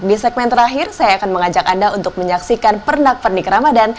di segmen terakhir saya akan mengajak anda untuk menyaksikan pernak pernik ramadan